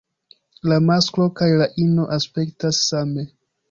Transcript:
La masklo kaj la ino aspektas same.